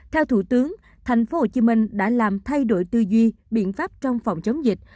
theo thủ tướng tp hcm đã làm thay đổi tư duy biện pháp trong phòng chống dịch